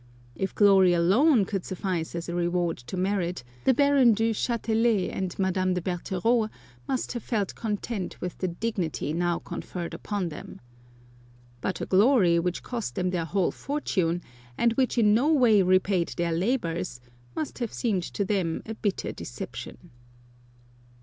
If glory alone could suffice as a reward to merit, the Baron du Chatelet and Madame de Bertereau must have felt content with the dignity now conferred upon them. But a glory which cost them their whole fortune, and which in no way repaid their labours, must have seemed to them a bitter deception.